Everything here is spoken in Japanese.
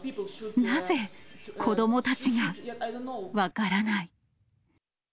なぜ子どもたちが、分からない。